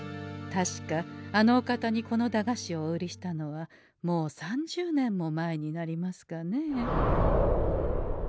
確かあのお方にこの駄菓子をお売りしたのはもう３０年も前になりますかねえ。